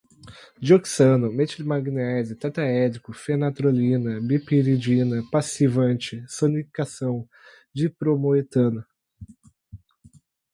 dioxano, metilmagnésio, tetraédrico, fenantrolina, bipiridina, passivante, sonicação, dibromoetano